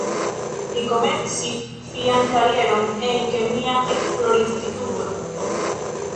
Li komencis sian karieron en kemia esplorinstituto.